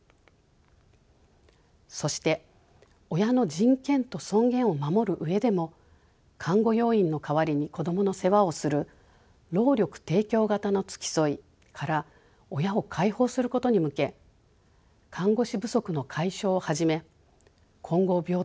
そして親の人権と尊厳を守る上でも看護要員の代わりに子どもの世話をする労力提供型の付き添いから親を解放することに向け看護師不足の解消をはじめ混合病棟の廃止